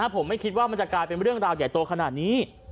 ผมไม่คิดว่ามันจะกลายเป็นเรื่องราวใหญ่โตขนาดนี้